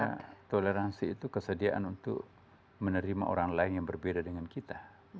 karena toleransi itu kesediaan untuk menerima orang lain yang berbeda dengan kita